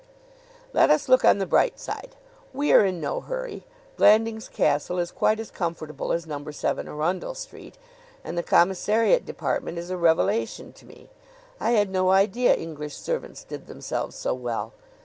"Let us look on the bright side. We are in no hurry. Blandings Castle is quite as comfortable as Number Seven Arundell Street, and the commissariat department is a revelation to me. I had no idea English servants did themselves so well.